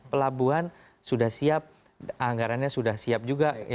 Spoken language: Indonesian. pelabuhan sudah siap anggarannya sudah siap juga